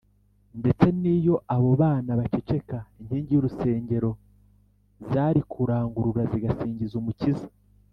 ndetse n’iyo abo bana baceceka, inkingi z’urusengero zari kurangurura zigasingiza umukiza